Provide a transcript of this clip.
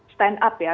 stand up ya